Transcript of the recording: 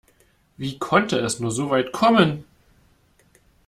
Wie konnte es nur so weit kommen?